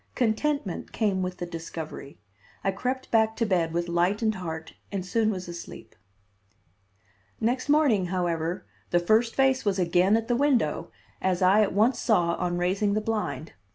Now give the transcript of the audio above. Contentment came with the discovery. I crept back to bed with lightened heart and soon was asleep. Next morning, however, the first face was again at the window, as I at once saw on raising the blind.